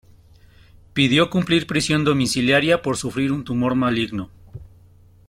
Pidió cumplir prisión domiciliaria por sufrir un tumor maligno.